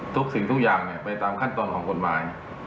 ทุกสิ่งทุกอย่างไปตามขั้นตอนของกฎหมาย